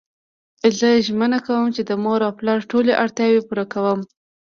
زه ژمنه کوم چی د مور او پلار ټولی اړتیاوی پوره کړم